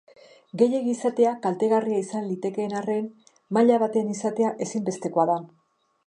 Gehiegi izatea kaletgarria izan litekeen arren, maila batean izatea ezinbestekoa da.